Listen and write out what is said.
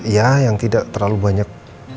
ya yang tidak terlalu banyak